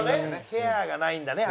ケアがないんだね